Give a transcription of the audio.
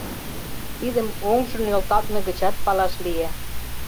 Тидым оҥжо нӧлталтме гычат палаш лие.